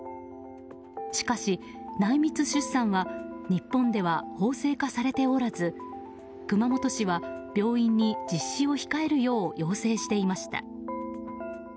しかし内密出産は日本では法制化されておらず熊本市は、病院に実施を控えるよう要請していました。